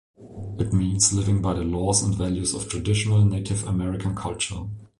It means living by the laws and values of traditional Native American culture.